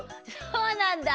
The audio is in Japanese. そうなんだ！